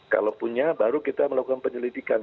kalau punya baru kita melakukan penyelidikan